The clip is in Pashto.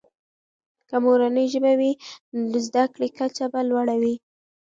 که مورنۍ ژبه وي، نو د زده کړې کچه به لوړه وي.